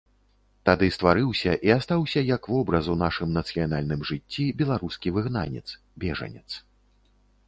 Тады стварыўся і астаўся як вобраз у нашым нацыянальным жыцці беларускі выгнанец, бежанец.